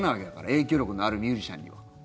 影響力のあるミュージシャンには。